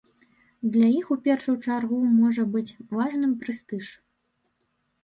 Для іх у першую чаргу можа быць важным прэстыж.